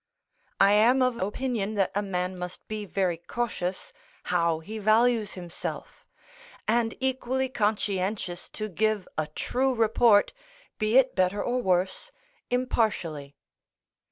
I am of opinion that a man must be very cautious how he values himself, and equally conscientious to give a true report, be it better or worse, impartially.